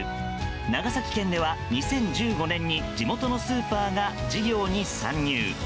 長崎県では２０１５年に地元のスーパーが事業に参入。